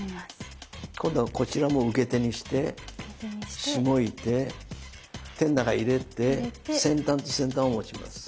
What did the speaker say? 今度はこちらも受け手にしてしごいて手の中入れて先端と先端を持ちます。